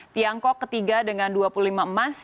tiongkok ketiga dengan dua puluh lima emas